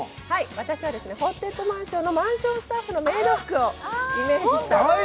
私はホーンテッドマンションのマンションスタッフのメイド服をイメージした。